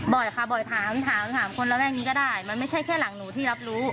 บ่อยค่ะบ่อยถามถามคนระแวกนี้ก็ได้มันไม่ใช่แค่หลังหนูที่รับรู้